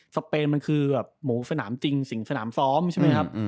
เปนมันคือแบบหมูสนามจริงสิ่งสนามซ้อมใช่ไหมครับ